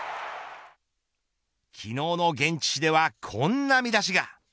昨日の現地紙ではこんな見出しが。